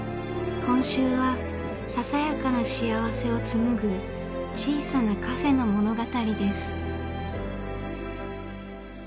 今週はささやかな幸せを紡ぐ小さなカフェの物語です。